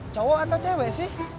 cowok atau cewek sih